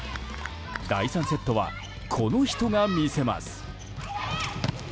第３セットはこの人が見せます。